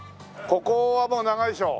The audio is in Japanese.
ここはもう長いでしょ？